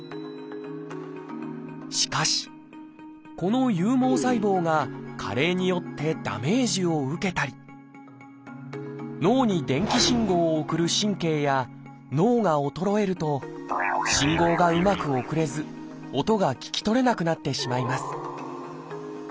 しかしこの有毛細胞が加齢によってダメージを受けたり脳に電気信号を送る神経や脳が衰えると信号がうまく送れず音が聞き取れなくなってしまいます